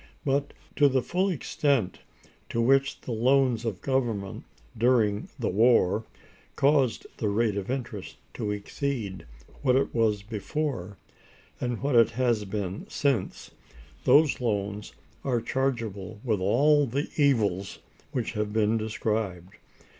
[But] To the full extent to which the loans of government, during the war, caused the rate of interest to exceed what it was before, and what it has been since, those loans are chargeable with all the evils which have been described.